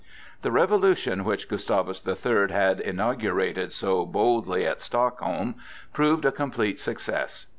The revolution which Gustavus the Third had inaugurated so boldly at Stockholm proved a complete success.